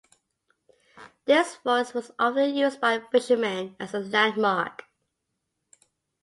This forest was often used by fishermen as a landmark.